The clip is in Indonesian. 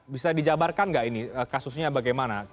bisa dijabarkan nggak ini kasusnya bagaimana